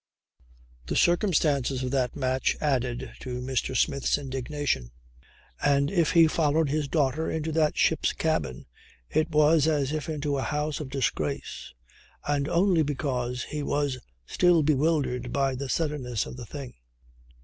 The circumstances of that match added to Mr. Smith's indignation. And if he followed his daughter into that ship's cabin it was as if into a house of disgrace and only because he was still bewildered by the suddenness of the thing.